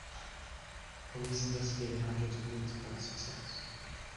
Police investigated hundreds of leads without success.